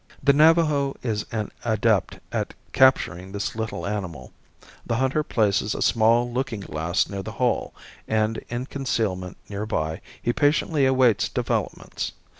The Navajo is an adept at capturing this little animal. The hunter places a small looking glass near the hole and, in concealment near by, he patiently awaits developments.